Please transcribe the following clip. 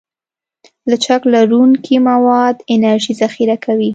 لچک لرونکي مواد انرژي ذخیره کوي.